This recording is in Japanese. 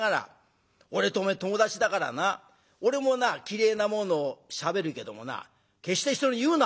俺とおめえ友達だからな俺もな嫌えなものをしゃべるけどもな決して人に言うな！」。